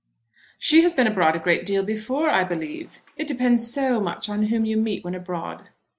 "She has been abroad a great deal before, I believe. It depends so much on whom you meet when abroad."